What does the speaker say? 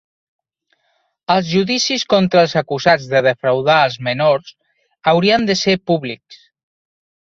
Els judicis contra els acusats de defraudar als menors haurien de ser públics.